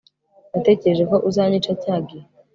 Natekereje ko uzanyica cyagihe